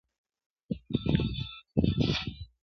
او چي مري هغه شهید دی ځي د ښکلیو حورو غېږته؛